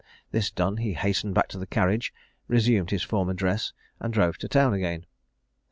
This done, he hastened back to the carriage, resumed his former dress, and drove to town again.